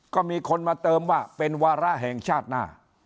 ก็มีคนมาเติมว่าเป็นวาระแห่งชาติหน้า